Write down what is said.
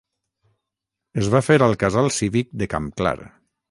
Es va fer al casal cívic de Campclar.